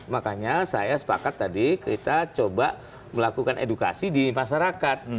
makanya saya sepakat tadi kita coba melakukan edukasi di masyarakat